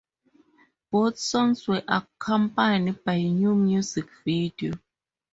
Both songs were accompanied by new music videos.